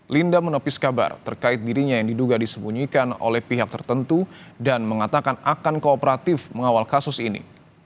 linda menopis kabar terkait dirinya yang diduga disembunyikan oleh pihak tertentu dan mengatakan akan kooperatif mengawal kasus ini